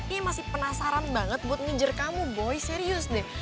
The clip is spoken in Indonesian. ini masih penasaran banget buat minjer kamu boy serius deh